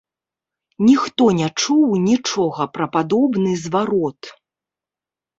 Ніхто не чуў нічога пра падобны зварот.